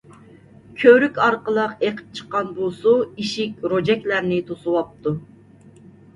كۆۋرۈك ئارقىلىق ئېقىپ چىققان بۇ سۇ ئىشىك، روجەكلەرنى توسۇۋاپتۇ.